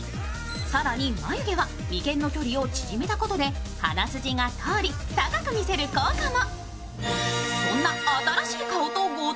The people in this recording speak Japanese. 更に眉毛は眉間の距離を縮めたことで鼻筋が通り、高く見せる効果も。